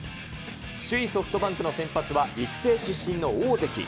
首位ソフトバンクの先発は育成出身の大関。